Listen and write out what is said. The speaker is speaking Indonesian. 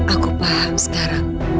aku paham sekarang